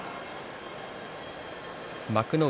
幕内